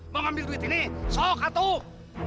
mau ambil duit ini sok atau